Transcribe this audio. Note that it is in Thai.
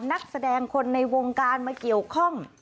นักแสดงคนในวงการมาเกี่ยวข้อง